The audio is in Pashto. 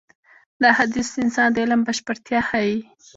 دا حديث د انسان د علم بشپړتيا ښيي.